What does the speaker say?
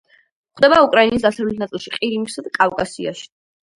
გვხვდება უკრაინის დასავლეთ ნაწილში, ყირიმსა და კავკასიაში.